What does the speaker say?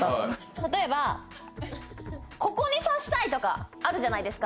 例えばここに刺したいとかあるじゃないですか。